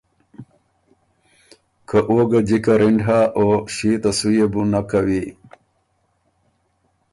که او ګۀ جِکه رِنډ هۀ او ݭيې ته سُو يې بو نک کوی